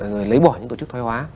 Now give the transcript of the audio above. rồi lấy bỏ những tổ chức thoai hóa